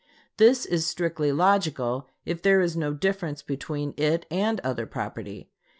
This is strictly logical if there is no difference between it and other property.